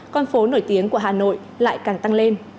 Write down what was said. con phố nổi tiếng của hà nội lại càng tăng lên